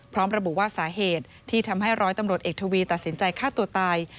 พร้อมระบุว่าสาเหตุที่ทำให้ร้อยตำรวจเอกทวีตัดสินใจฆ่าตัวตาย